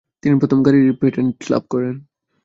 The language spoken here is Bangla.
তিনি প্রথম গাড়ির পেটেন্ট লাভ করেন।